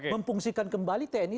memfungsikan kembali tni